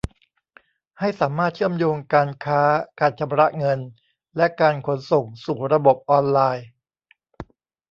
ให้สามารถเชื่อมโยงการค้า การชำระเงิน และการขนส่งสู่ระบบออนไลน์